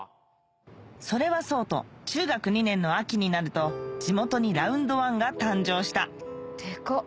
それはそうと中学２年の秋になると地元にラウンドワンが誕生したデカっ。